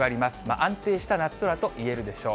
安定した夏空といえるでしょう。